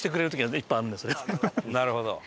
なるほど。